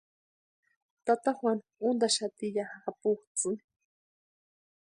Tata Juanu úntaxati ya japutsʼïni.